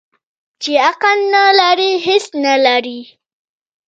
ـ چې عقل نه لري هېڅ نه لري.